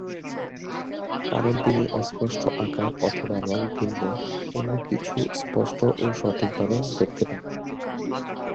কারণ তিনি অস্পষ্ট আকার অথবা রঙ ভিন্ন অন্য কোন কিছুই স্পষ্ট ও সঠিকভাবে দেখতে পান না।